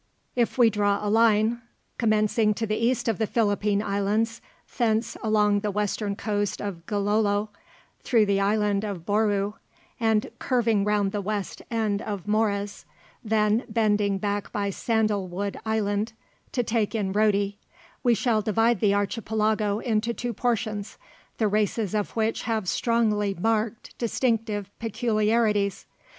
If we draw a line (see Physical Map, Vol. 1. p. 14), commencing to the east of the Philippine Islands, thence along the western coast of Gilolo, through the island of Bouru, and curving round the west end of Mores, then bending back by Sandalwood Island to take in Rotti, we shall divide the Archipelago into two portions, the races of which have strongly marked distinctive peculiarities.